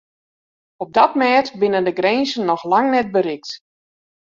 Op dat mêd binne de grinzen noch lang net berikt.